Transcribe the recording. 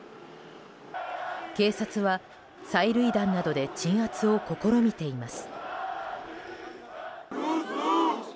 警察は催涙弾などで鎮圧を試みています。